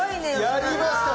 やりました。